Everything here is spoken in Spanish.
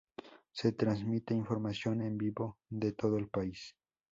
Se transmite información en vivo de todo el país.